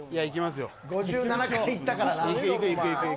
５７回いったからな。